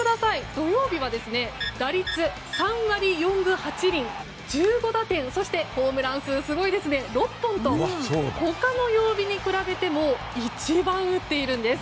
土曜日は打率３割４分８厘１５打点そして、ホームラン数も６本と他の曜日に比べても一番打っているんです。